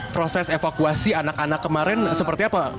proses evakuasi anak anak kemarin seperti apa